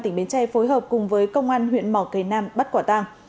tỉnh bến tre phối hợp cùng với công an huyện mỏ cầy nam bắt quả tàng